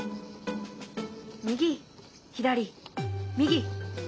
右左右左。